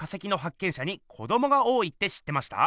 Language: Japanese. しゃに子どもが多いって知ってました？